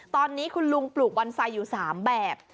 ตอนนี้คุณลุงปลูกบอนไซต์อยู่๓แบบ